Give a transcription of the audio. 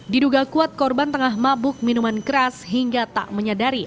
diduga kuat korban tengah mabuk minuman keras hingga tak menyadari